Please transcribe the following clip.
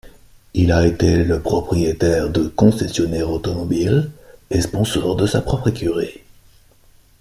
Il a été le propriétaire de concessionnaire automobile et sponsor de sa propre écurie.